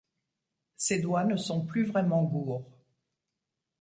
Ses doigts ne sont plus vraiment gourds.